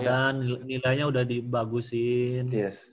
dan nilainya udah dibagusin